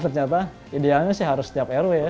ternyata idealnya sih harus setiap rw ya